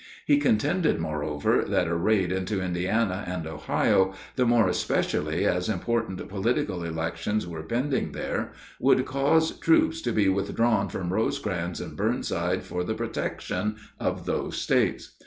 He contended, moreover, that a raid into Indiana and Ohio, the more especially as important political elections were pending there, would cause troops to be withdrawn from Rosecrans and Burnside for the protection of those States.